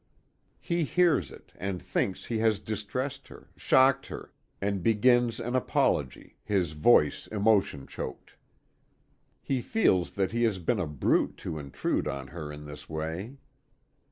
He hears it, and thinks he has distressed her, shocked her, and begins an apology, his voice emotion choked. He feels that he has been a brute to intrude on her in this way.